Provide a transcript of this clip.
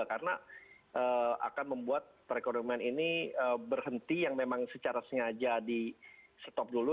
karena akan membuat perekonomian ini berhenti yang memang secara sengaja di stop dulu